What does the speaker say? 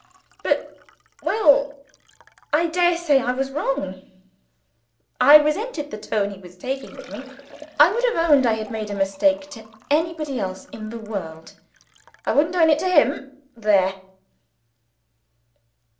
But well! I dare say I was wrong; I resented the tone he was taking with me; I would have owned I had made a mistake to anybody else in the world; I wouldn't own it to him. There!